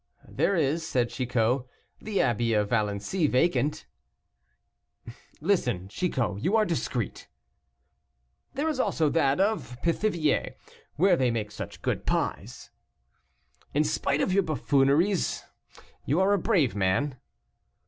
"There is," said Chicot, "the abbey of Valency vacant." "Listen, Chicot, you are discreet." "There is also that of Pithiviers, where they make such good pies." "In spite of your buffooneries, you are a brave man."